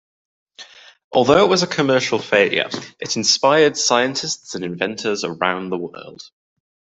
Although it was a commercial failure, it inspired scientists and inventors around the world.